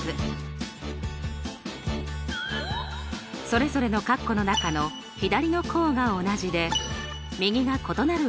それぞれのかっこの中の左の項が同じで右が異なる場合です。